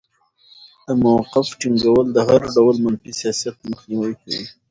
د موقف ټینګول د هر ډول منفي سیاست مخنیوی کوي.